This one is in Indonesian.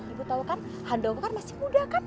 ibu tau kan handong kan masih muda kan